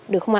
được không ạ